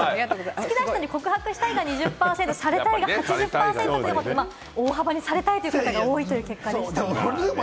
好きな人に告白したいが２０％、されたいが８０％、大幅にされたい人が多いという結果になりました。